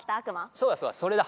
そうだそうだそれだ。